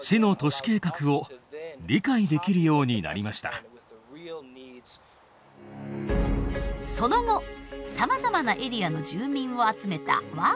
その後さまざまなエリアの住民を集めたワークショップを開催。